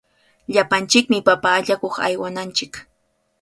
Llapanchikmi papa allakuq aywananchik.